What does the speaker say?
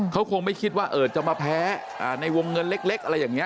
เขาคงไม่คิดว่าจะมาแพ้ในวงเงินเล็กอะไรอย่างนี้